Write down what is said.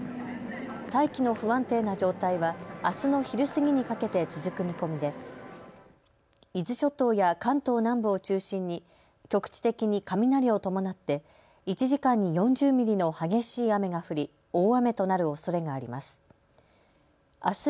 大気の不安定な状態は、あすの昼過ぎにかけて続く見込みで伊豆諸島や関東南部を中心に局地的に雷を伴って１時間に４０ミリの激しい雨が降り大雨となるおそれがあります。